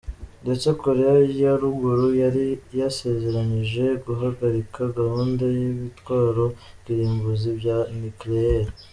Ndetse Koreya ya Ruguru yari yasezeranyije guhagarika gahunda y'ibitwaro kirimbuzi bya nikleyeri.